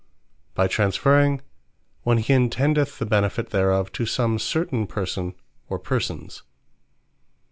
By TRANSFERRING; when he intendeth the benefit thereof to some certain person, or persons.